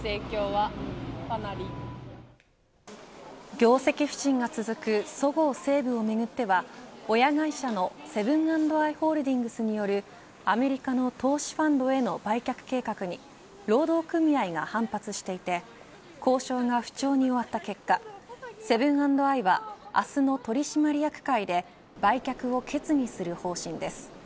業績不振が続くそごう・西武をめぐっては親会社のセブン＆アイ・ホールディングスによるアメリカの投資ファンドへの売却計画に労働組合が反発していて交渉が不調に終わった結果セブン＆アイは明日の取締役会で売却を決議する方針です。